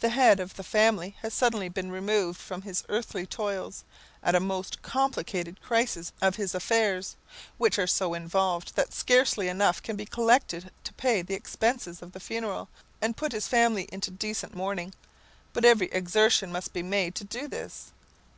The head of the family has suddenly been removed from his earthly toils, at a most complicated crisis of his affairs, which are so involved that scarcely enough can be collected to pay the expenses of the funeral, and put his family into decent mourning, but every exertion must be made to do this.